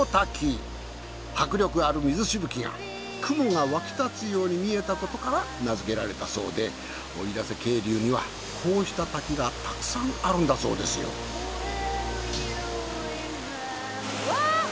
迫力ある水しぶきが雲が沸き立つように見えたことから名づけられたそうで奥入瀬渓流にはこうした滝がたくさんあるんだそうですよ。わ！